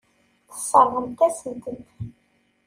Tesseṛɣemt-asent-ten.